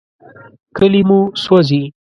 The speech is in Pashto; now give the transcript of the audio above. کلي مو سوځي.